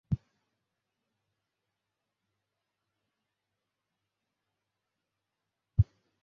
অনেকক্ষণ পরে রাজলক্ষ্মী কহিলেন, আজ রাত্রে তো এখানেই আছিস?